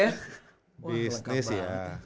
banyak anak bisnis ya